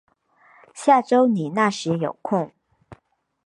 下周你那时有空